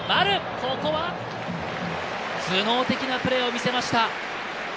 ここは頭脳的なプレーを見せました。